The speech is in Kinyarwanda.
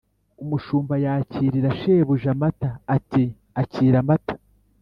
umushumba yakirira shebuja amata ati: “akira amata”,